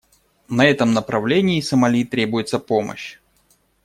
На этом направлении Сомали требуется помощь.